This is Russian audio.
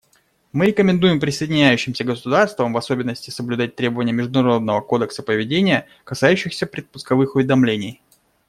Мы рекомендуем присоединяющимся государствам в особенности соблюдать требования международного кодекса поведения, касающиеся предпусковых уведомлений.